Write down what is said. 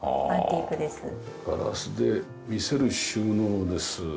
ガラスで見せる収納です。